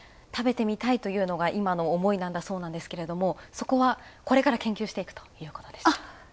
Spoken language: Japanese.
食べてみたいというのが今の思いなんだそうなんですけどもそこは、これから研究していくということです。